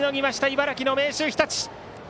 茨城の明秀日立。